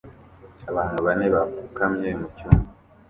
Abantu bane bapfukamye mucyumba